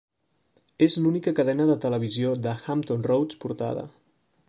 És l'única cadena de televisió de Hampton Roads portada.